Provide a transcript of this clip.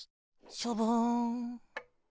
ショボン。